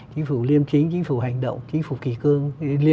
chính phủ liêm chính chính phủ hành động chính phủ kỳ cương